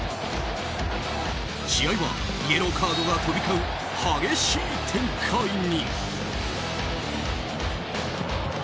試合はイエローカードが飛び交う激しい展開に。